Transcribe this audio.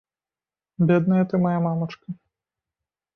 Бедная ты, мая мамачка!